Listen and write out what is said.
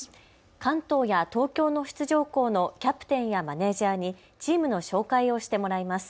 関東や東京の出場校のキャプテンやマネージャーにチームの紹介をしてもらいます。